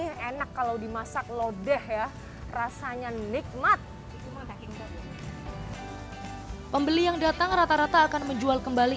yang enak kalau dimasak lodeh ya rasanya nikmat pembeli yang datang rata rata akan menjual kembali